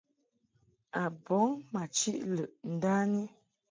A bɔŋ ma chiʼ lɨʼ ndani.